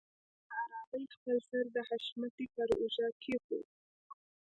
هغې په آرامۍ خپل سر د حشمتي پر اوږه کېښوده.